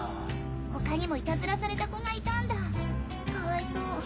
他にもイタズラされたコがいたんだかわいそう。